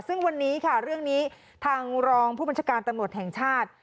ซึ่งวันนี้ค่ะเรื่องนี้ทางรองผู้บัญชาการตำรวจแห่งชาติ